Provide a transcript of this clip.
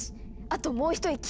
あともう一息。